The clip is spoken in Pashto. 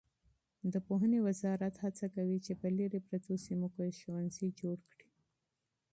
د پوهنې وزارت هڅه کوي چې په لیرې پرتو سیمو کې ښوونځي جوړ کړي.